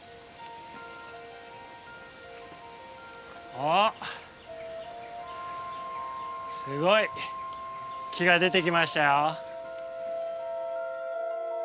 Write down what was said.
あっすごい木が出てきましたよ。